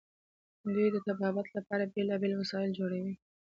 دوی د طبابت لپاره بیلابیل وسایل جوړوي.